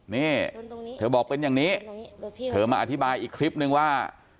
นี่เธอบอกเป็นอย่างนี้เธอมาอธิบายอีกคลิปนึงว่า